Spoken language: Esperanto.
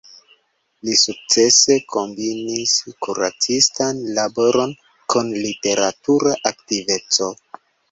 Li sukcese kombinis kuracistan laboron kun literatura aktiveco.